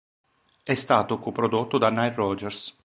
È stato co-prodotto da Nile Rodgers.